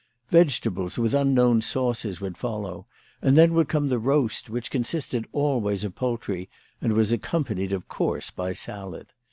Vegetables with unknown sauces would follow, and then would come the roast, which consisted always of poultry, and was accompanied of course by salad.